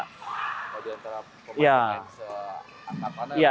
oh di antara pemain yang main seangkat mana ya